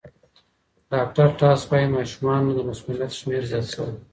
ډاکټر ټاس وايي د ماشومانو د مسمومیت شمېر زیات شوی.